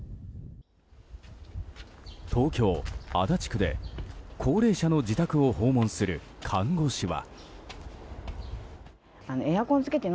東京・足立区で高齢者の自宅を訪問する看護師は。